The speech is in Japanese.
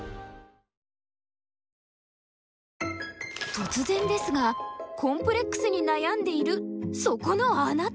突然ですが「コンプレックスに悩んでいる」そこのあなた！